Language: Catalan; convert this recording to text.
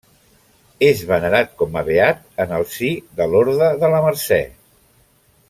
És venerat com a beat en el si de l'Orde de la Mercè.